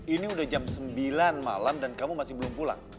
ini udah jam sembilan malam dan kamu masih belum pulang